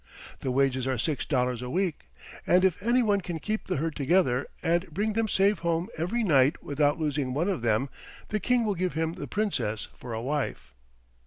The wages are six dollars a week, and if any one can keep the herd together and bring them safe home every night without losing one of them the King will give him the Princess for a wife."